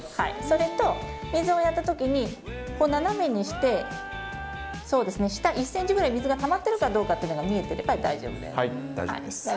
それと、水をやったときに、斜めにして、下１センチぐらい水がたまってるかどうかっていうのが見えてれば大丈夫です。